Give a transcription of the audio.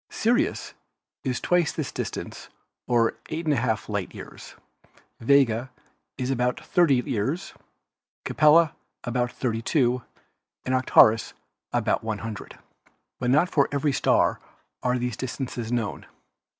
Sirius is twice this dis tance, or eight and a half light years; Vega is about 30 years, Capella about 32 and Arcturus about 100. But not for every star are these distances known.